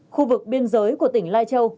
khu vực biên giới của tỉnh lai châu